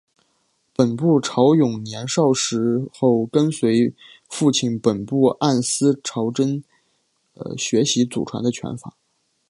本部朝勇年少的时候便跟随父亲本部按司朝真学习祖传的拳法。